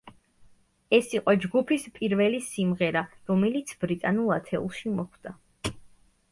ეს იყო ჯგუფის პირველი სიმღერა, რომელიც ბრიტანულ ათეულში მოხვდა.